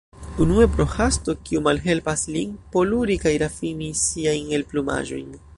Unue pro hasto, kiu malhelpas lin poluri kaj rafini siajn elplumaĵojn.